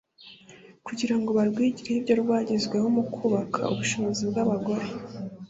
kugira ngo barwigireho ibyo rwagezeho mu kubaka ubushobozi bw’abagore